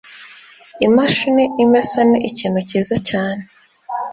Imashini imesa ni ikintu cyiza cyane.